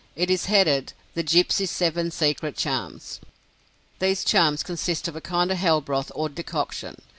It is headed "The Gypsies' Seven Secret Charms." These charms consist of a kind of hellbroth or decoction.